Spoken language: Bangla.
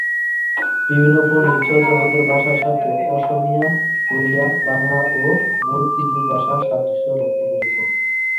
বিভিন্ন পণ্ডিত চর্যাপদের ভাষার সাথে অসমীয়া, ওড়িয়া, বাংলা ও মৈথিলী ভাষার সাদৃশ্য লক্ষ্য করেছেন।